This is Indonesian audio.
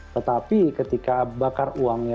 tetapi ketika bakar uangnya